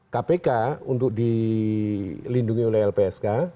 kpk untuk dilindungi oleh lpsk